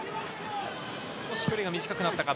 少し距離が短くなったか？